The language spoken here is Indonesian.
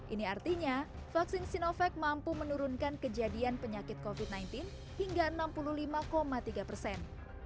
ini artinya vaksin sinovac mampu menurunkan kejadian penyakit covid sembilan belas hingga enam puluh lima tiga persen